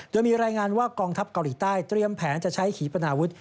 โดยมีรายงานว่ากองทัพเกาหลีใต้เตรียมแผนจะใช้ขีปนาวุฒิ